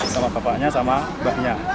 sama bapaknya sama mbaknya